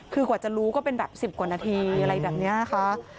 คือกว่าจะรู้ก็เป็นแบบ๑๐กว่านาทีอะไรแบบนี้นะคะ